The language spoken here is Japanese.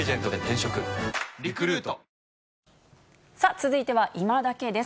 続いてはいまダケッです。